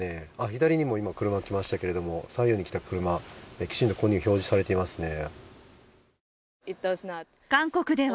左にも今、車が来ましたけれども左右に来た車は、きちんとここに表示されていますね。